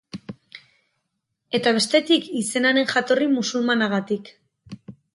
Eta bestetik, izenaren jatorri musulmanagatik.